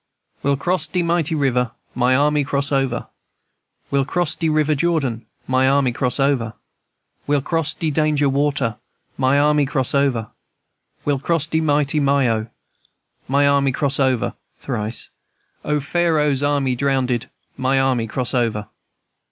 "We'll cross de mighty river, My army cross over; We'll cross de river Jordan, My army cross over; We'll cross de danger water, My army cross over; We'll cross de mighty Myo, My army cross over. (Thrice.) O, Pharaoh's army drowndedl My army cross over."